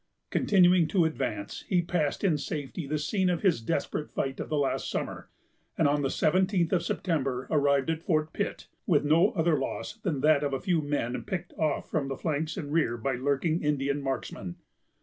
Continuing to advance, he passed in safety the scene of his desperate fight of the last summer, and on the seventeenth of September arrived at Fort Pitt, with no other loss than that of a few men picked off from the flanks and rear by lurking Indian marksmen.